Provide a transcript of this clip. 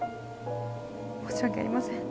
申し訳ありません